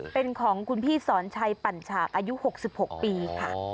เป็นของคุณพี่สอนชัยปั่นฉากอายุ๖๖ปีค่ะ